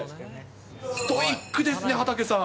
ストイックですね、畠さん。